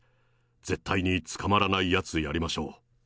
絶対に捕まらないやつやりましょう。